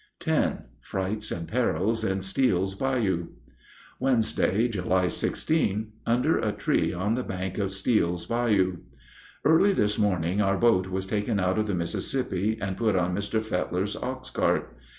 X FRIGHTS AND PERILS IN STEELE'S BAYOU Wednesday, July 16. (Under a tree on the bank of Steele's Bayou.) Early this morning our boat was taken out of the Mississippi and put on Mr. Fetler's ox cart.